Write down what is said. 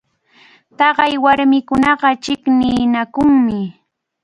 Taqay warmikunaqa chiqninakunmi.